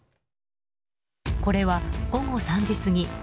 これは午後３時過ぎ